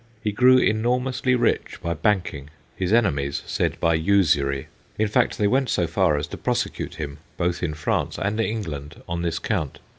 He grew enormously rich by banking his enemies said by usury ; in fact, they went so far as to prosecute him both in France and England on this count.